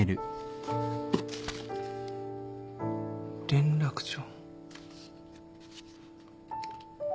連絡帳。